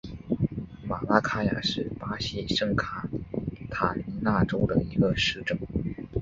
马拉卡雅是巴西圣卡塔琳娜州的一个市镇。